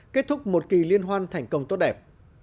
kết thúc một kỳ liên hoan thành công tốt đẹp